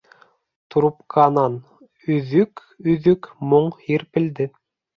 Трубканан өҙөк-өҙөк моң һирпелде.